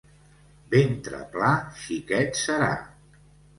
Ventre pla, xiquet serà.